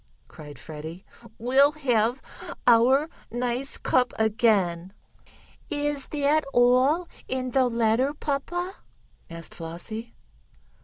cried Freddie. "We'll have our nice cup again!" "Is that all in the letter, papa?" asked Flossie.